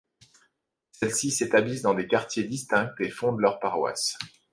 Celles-ci s'établissent dans des quartiers distincts et fondent leurs paroisses.